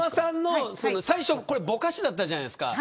最初これぼかしだったじゃないですか。